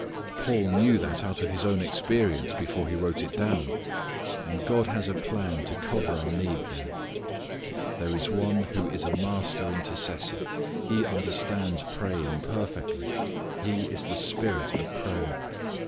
Paul knew that out of his own experience before he wrote it down. And God has a plan to cover our need there. There is One who is a master intercessor. He understands praying perfectly. He is the Spirit of prayer.